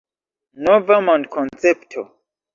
Nova mondkoncepto.